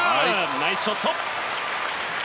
ナイスショット！